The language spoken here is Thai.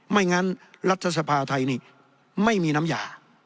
ไม่งั้นรัฐสภาไทยนี่ไม่มีน้ำยา